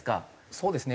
そうですね。